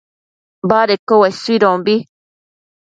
badedquio uesuidombi